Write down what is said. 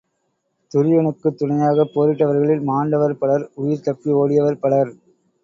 துரியனுக்குத் துணையாகப் போரிட்டவர்களில் மாண்டவர் பலர் உயிர் தப்பி ஓடியவர் பலர்.